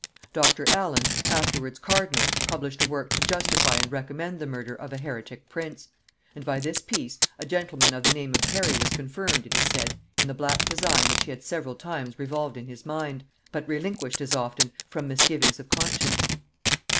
Dr. Allen, afterwards cardinal, published a work to justify and recommend the murder of a heretic prince; and by this piece a gentleman of the name of Parry was confirmed, it is said, in the black design which he had several times revolved in his mind, but relinquished as often from misgivings of conscience.